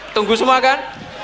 tunggu semua kan